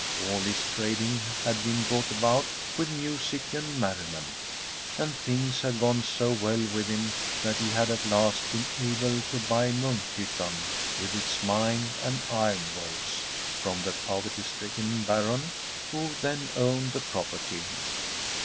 All From a SIFEDISH HOMESTEAD his trading had been brought about with music and merriment, and things had gone so well with him that he had at last been able to buy Munk hyttan, with its mine and ironworks, from the poverty stricken Baron who then owned the property.